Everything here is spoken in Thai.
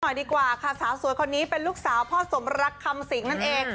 ดีกว่าค่ะสาวสวยคนนี้เป็นลูกสาวพ่อสมรักคำสิงนั่นเอง